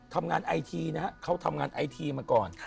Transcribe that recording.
ทำงานไอทีนะเขาทำงานไอทีมาก่อน